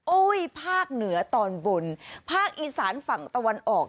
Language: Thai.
ภาคเหนือตอนบนภาคอีสานฝั่งตะวันออก